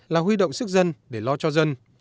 là huy động sức dân để lo cho dân